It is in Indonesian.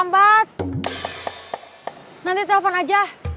masa udah dateng vielah wegak tuh